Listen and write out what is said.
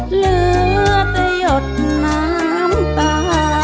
เหลือแต่หยดน้ำตา